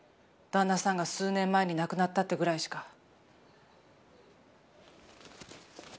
旦那さんが数年前に亡くなったってぐらいしか。